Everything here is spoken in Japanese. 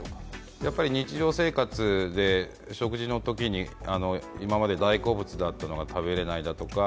やっぱり日常生活で食事のときに今まで大好物だったのが食べれないだとか